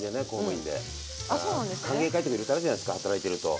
歓迎会とかいろいろとあるじゃないですか働いてると。